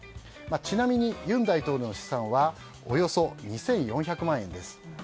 ちなみに尹大統領の資産はおよそ２４００万円です。